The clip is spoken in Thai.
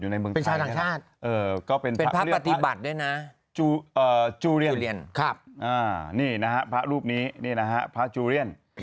นี่นะฮะพระรูปนี้พระจูเลี่ยน